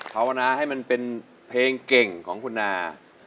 ภาวนาให้มันเป็นเพลงเก่งของคุณนา